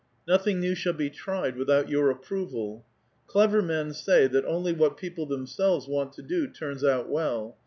Nothing new shall be tried without your ap proval. Clever men say that only what people themselves ^^■^t to do turns out well.